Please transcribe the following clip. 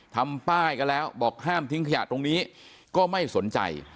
ทำป้ายกันแล้วบอกห้ามทิ้งขยะตรงนี้ก็ไม่สนใจ